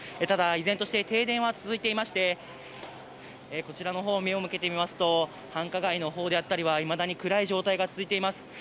ただ、依然として停電は続いていましてこちらに目を向けますと繁華街のほうはいまだに暗い状態が続いています。